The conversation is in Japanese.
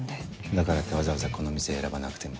だからってわざわざこの店選ばなくても。